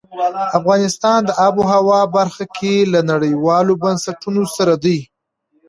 افغانستان د آب وهوا برخه کې له نړیوالو بنسټونو سره دی.